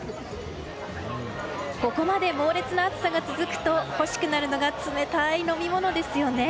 ここまで猛烈な暑さが続くと欲しくなるのが冷たい飲み物ですよね。